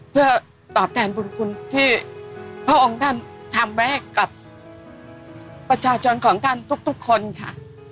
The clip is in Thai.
เพื่อตอบแทนบุญคุณที่พระองค์ท่านทำไว้ให้กับประชาชนของท่านทุกคนค่ะ